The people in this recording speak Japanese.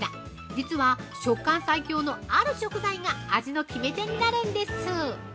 実は食感最強のある食材が味の決め手になるんです！